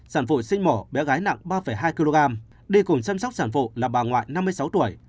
sản phụ sinh mổ bé gái nặng ba hai kg đi cùng chăm sóc sản phụ là bà ngoại năm mươi sáu tuổi